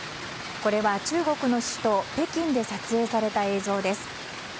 これは中国の首都北京で撮影された映像です。